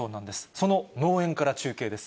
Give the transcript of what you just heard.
その農園から中継です。